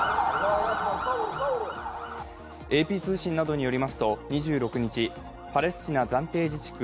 ＡＰ通信などによりますと２６日パレスチナ暫定自治区